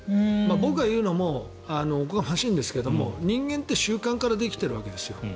僕が言うのもおこがましいんですけども人間って習慣からできてるわけですよ。